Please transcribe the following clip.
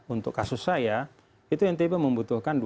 untuk kasus saya itu ntb membutuhkan